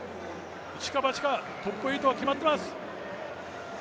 一か八か、トップ８は決まっています。